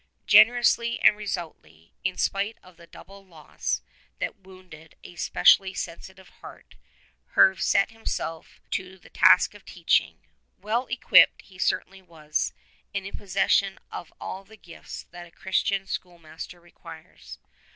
Generously and resolutely, in spite of the double loss that wounded a specially sensitive heart, Herve set himself to the task of teaching. Well equipped he certainly was, and in possession of all the gifts that a Christian schoolmaster requires.